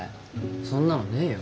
そんなのねえよ。